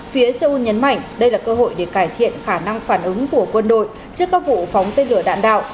phía seoul nhấn mạnh đây là cơ hội để cải thiện khả năng phản ứng của quân đội trước các vụ phóng tên lửa đạn đạo